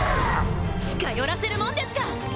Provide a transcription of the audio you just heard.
近寄らせるもんですか！